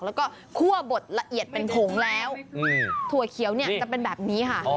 แล้วก็คั่วบดละเอียดเป็นผงแล้วถั่วเขียวเนี่ยจะเป็นแบบนี้ค่ะ